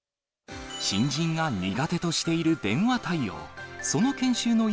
新人が苦手としている電話対応。